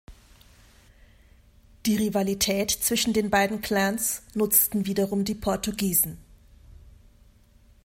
Die Rivalität zwischen den beiden Clans nutzten wiederum die Portugiesen.